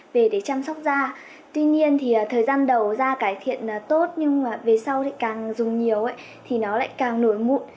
về để chăm sóc da tuy nhiên thì thời gian đầu da cải thiện tốt nhưng mà về sau thì càng dùng nhiều thì nó lại càng nổi mụn